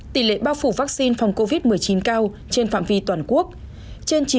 tỷ lệ bao phủ vaccine phòng covid một mươi chín cao trên phạm vi toàn quốc